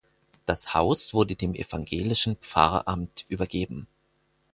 Das Haus wurde dem evangelischen Pfarramt übergeben.